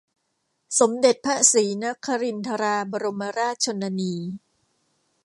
สมเด็จพระศรีนครินทราบรมราชชนนี